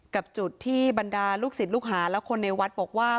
กับจุดที่บรรดาลูกศิษย์ลูกหาและคนในวัดบอกว่า